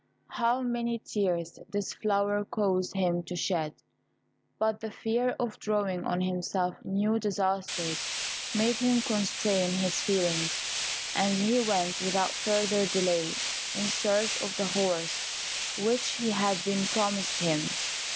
How many tears this flower caused him to shed. But the fear of drawing on himself new disasters made him constrain his feelings, and he went, without further delay, in search of the horse which had been promised him.